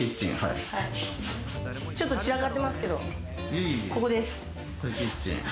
ちょっと散らかってますけれども、ここです。